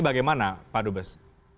bagaimana pak dubes